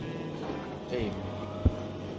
Teqqim.